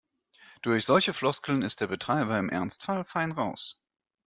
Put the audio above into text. Durch solche Floskeln ist der Betreiber im Ernstfall fein raus.